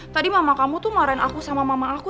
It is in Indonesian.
tadi mama kamu tuh marahin aku sama mama aku